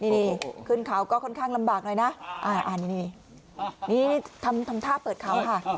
นี่ขึ้นเขาก็ค่อนข้างลำบากหน่อยนะนี่นี่ทำท่าเปิดเขาค่ะ